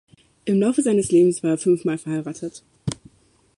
Im Laufe seines Lebens war er fünfmal verheiratet.